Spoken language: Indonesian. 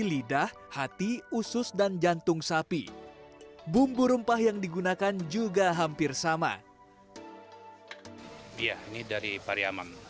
lidah hati usus dan jantung sapi bumbu rempah yang digunakan juga hampir sama ya ini dari pariaman